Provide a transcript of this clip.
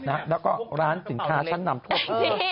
แล้วก็ร้านสินค้าชั้นนำทุก